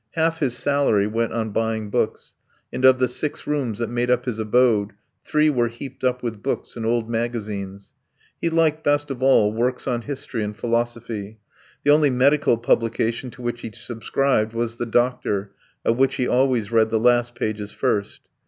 Half his salary went on buying books, and of the six rooms that made up his abode three were heaped up with books and old magazines. He liked best of all works on history and philosophy; the only medical publication to which he subscribed was The Doctor, of which he always read the last pages first.